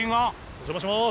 お邪魔します。